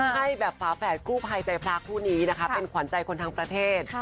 ให้แบบฝาแฝดกู้ภัยใจพระคู่นี้นะคะเป็นขวัญใจคนทั้งประเทศ